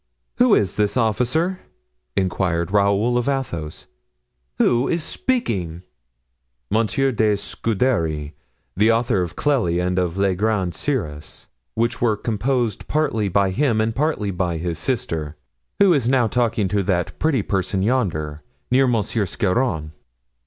"Who is this officer," inquired Raoul of Athos, "who is speaking?" "Monsieur de Scudery, the author of 'Clelie,' and of 'Le Grand Cyrus,' which were composed partly by him and partly by his sister, who is now talking to that pretty person yonder, near Monsieur Scarron."